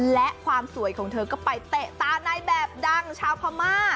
และความสวยของเธอก็ไปเตะตาในแบบดังชาวพม่า